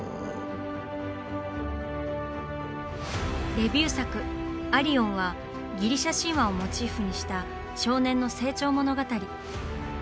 デビュー作「アリオン」はギリシャ神話をモチーフにした少年の成長物語。